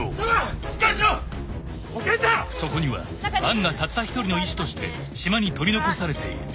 ［そこには杏がたった一人の医師として島に取り残されている］